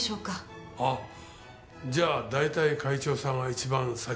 ああじゃあ大体会長さんが一番先？